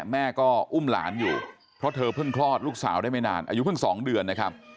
แม่ก็อุ้มหลานอยู่เพราะเธอเพิ่งคลอดลูกสาวได้ไม่นานอายุเพิ่ง๒เดือนนะครับ